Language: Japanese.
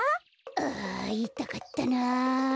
あいたかったな。